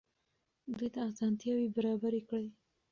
دوی ته اسانتیاوې برابرې کړئ.